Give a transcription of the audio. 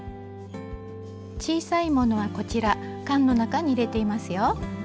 小さいものはこちら缶の中に入れていますよ。